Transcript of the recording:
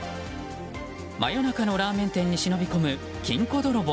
真夜中のラーメン店に忍び込む金庫泥棒。